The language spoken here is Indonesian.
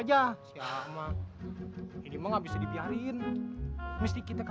tapi walaupun dirancang obstetrik